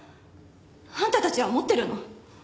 あんたたちは持ってるの？